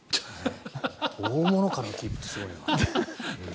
大物感のキープってすごいな。